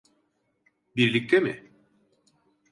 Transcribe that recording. Birlikte mi?